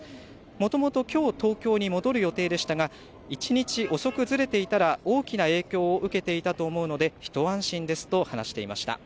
もともと、きょう東京に戻る予定でしたが、１日遅くずれていたら、大きな影響を受けていたと思うので、一安心ですと話していました。